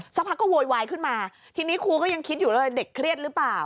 สักพักก็โวยวายขึ้นมาทีนี้ครูก็ยังคิดอยู่เลยเด็กเครียดหรือเปล่า